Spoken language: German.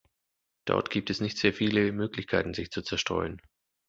Dort gibt es nicht sehr viele Möglichkeiten sich zu zerstreuen.